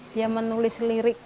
dia menulis lirik lirik gitu